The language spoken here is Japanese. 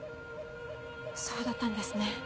そうだったんですね。